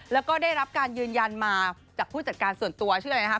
แล้วก็ได้รับการยืนยันมาจากผู้จัดการส่วนตัวชื่ออะไรนะครับ